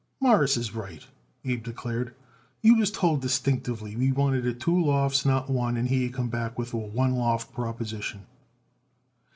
"Mawruss is right," Abe declared. "You was told distinctively we wanted it two lofts, not one, and here you come back with a one loft proposition."